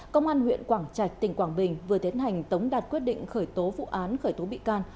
công an huyện quảng trạch tỉnh quảng bình vừa tiến hành tống đạt quyết định khởi tố vụ án khởi tố bị can